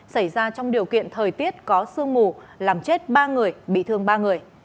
xảy ra trong điều kiện thời tiết có sương mù làm chết ba người bị thương ba người